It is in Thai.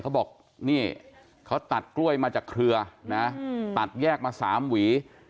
เขาบอกนี่เขาตัดกล้วยมาจากเครือนะตัดแยกมา๓หวี